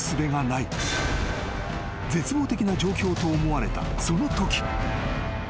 ［絶望的な状況と思われたそのとき］